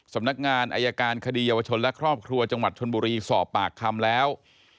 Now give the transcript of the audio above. สำนักงานอายการคดีเยาวชนและครอบครัวจังหวัดชนบุรีสอบปากคำแล้ว